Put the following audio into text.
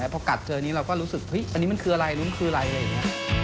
พอกัดเจอนี้เราก็รู้สึกอันนี้มันคืออะไรรู้มันคืออะไร